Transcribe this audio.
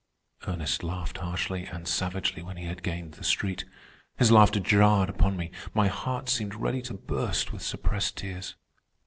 Ernest laughed harshly and savagely when he had gained the street. His laughter jarred upon me. My heart seemed ready to burst with suppressed tears.